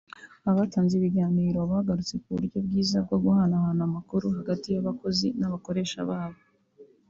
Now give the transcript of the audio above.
Abatanze ibiganiro bagarutse ku buryo bwiza bwo guhanahana amakuru hagati y’abakozi n’abakoresha babo